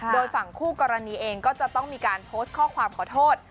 โดยฝั่งคู่กรณีเองก็จะต้องมีการโพสต์ข้อความขอโทษ